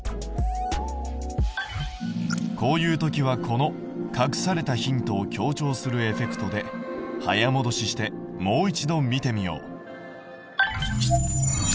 こういう時はこの隠されたヒントを強調するエフェクトで早もどししてもう一度見てみよう。